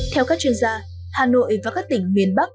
theo các chuyên gia hà nội và các tỉnh miền bắc